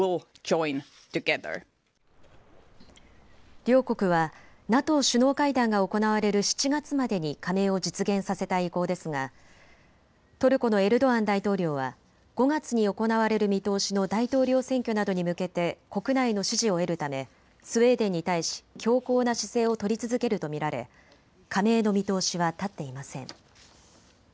両国はＮＡＴＯ首脳会談が行われる７月までに加盟を実現させたい意向ですがトルコのエルドアン大統領は５月に行われる見通しの大統領選挙などに向けて国内の支持を得るためスウェーデンに対し強硬な姿勢を取り続けると見られ加盟の見通しは立っていません。